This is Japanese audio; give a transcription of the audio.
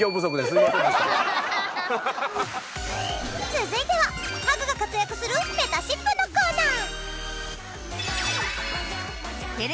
続いてはハグが活躍するめたしっぷのコーナー。